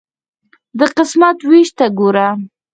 د قسمت ویش ته ګوره.